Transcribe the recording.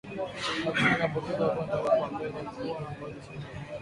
Ngamia aliyeambukizwa ugonjwa huu wa upele huwa na ngozi isiyo na nywele